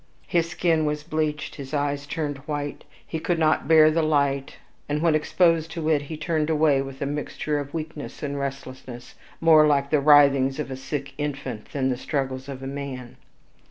His skin was bleached, his eyes turned white; he could not bear the light; and, when exposed to it, he turned away with a mixture of weakness and restlessness, more like the writhings of a sick infant than the struggles of a man.